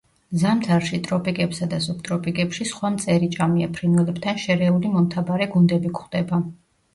ზამთარში, ტროპიკებსა და სუბტროპიკებში სხვა მწერიჭამია ფრინველებთან შერეული მომთაბარე გუნდები გვხვდება.